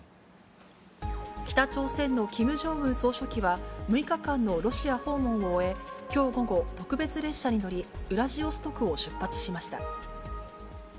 北朝鮮のキム・ジョンウン総書記は、６日間のロシア訪問を終え、きょう午後、特別列車に乗り、ウラジオストクを出発しました。